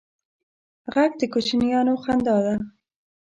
غږ د کوچنیانو خندا ده